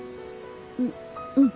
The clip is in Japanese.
うっうん。